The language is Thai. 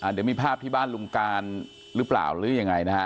เดี๋ยวมีภาพที่บ้านลุงการหรือเปล่าหรือยังไงนะฮะ